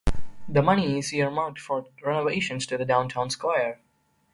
The money is earmarked for renovations to the downtown square.